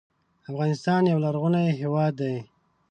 افغانستان یو لرغونی هېواد دی.